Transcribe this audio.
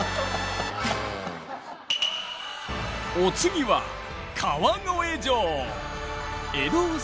お次は川越城！